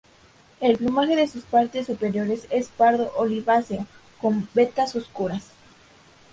El plumaje de sus partes superiores es pardo oliváceo con vetas oscuras.